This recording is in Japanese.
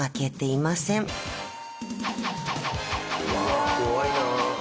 うわっ怖いな。